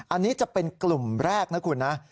อันนี้จะเป็นกลุ่มแรกนะคุณนะ